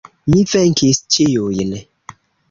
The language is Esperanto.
Mi venkis ĉiujn.